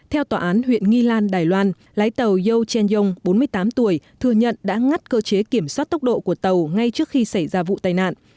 theo tòa án huyện nghi lan đài loan lái tàu yo chen yong bốn mươi tám tuổi thừa nhận đã ngắt cơ chế kiểm soát tốc độ của tàu ngay trước khi xảy ra vụ tai nạn